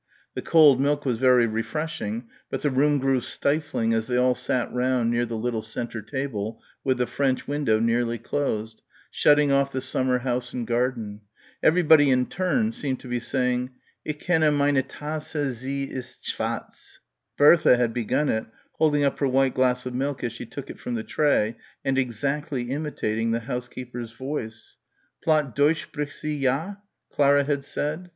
The cold milk was very refreshing but the room grew stifling as they all sat round near the little centre table with the French window nearly closed, shutting off the summer house and garden. Everybody in turn seemed to be saying "Ik kenne meine Tasse sie ist svatz." Bertha had begun it, holding up her white glass of milk as she took it from the tray and exactly imitating the housekeeper's voice. "Platt Deutsch spricht sie, ja?" Clara had said.